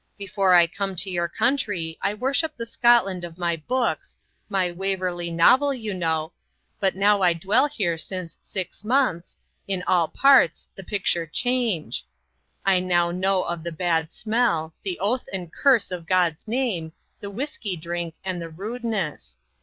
Befor I come to your country I worship the Scotland of my books, my 'Waverly Novel,' you know, but now I dwell here since six months, in all parts, the picture change. I now know of the bad smell, the oath and curse of God's name, the wisky drink and the rudeness.